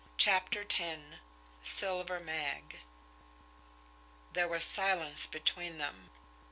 CHAPTER X SILVER MAG There was silence between them.